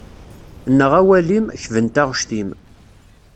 Nneɣ awal-im, kben taɣect-im.